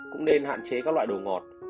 cũng nên hạn chế các loại đồ ngọt